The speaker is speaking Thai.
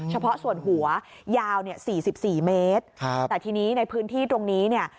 เฉพาะส่วนหัวยาวเนี่ย๔๔เมตรแต่ทีนี้ในพื้นที่ตรงนี้เนี่ย